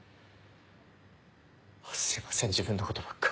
すいません自分のことばっか。